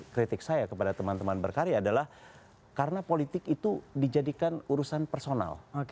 kritik saya kepada teman teman berkarya adalah karena politik itu dijadikan urusan personal